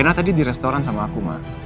rena tadi di restoran sama aku ma